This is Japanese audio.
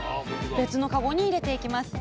別の籠に入れていきます。